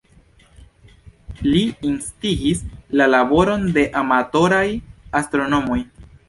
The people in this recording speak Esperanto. Li instigis la laboron de amatoraj astronomoj.